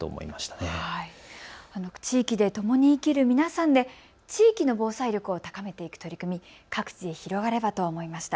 この地域でともに生きる皆さんで地域の防災力を高めていく取り組み、各地で広がればと思いました。